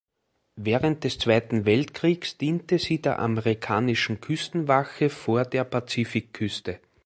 Während des Zweiten Weltkriegs diente sie der amerikanischen Küstenwache vor der Pazifikküste.